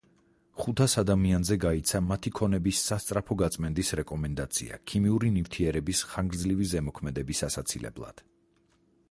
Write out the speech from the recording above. ხუთას ადამიანზე გაიცა მათი ქონების სასწრაფო გაწმენდის რეკომენდაცია ქიმიური ნივთიერების ხანგრძლივი ზემოქმედების ასაცილებლად.